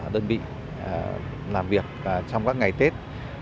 đơn vị làm việc trong các ngày tết